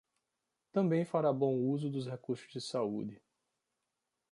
Também fará bom uso dos recursos de saúde.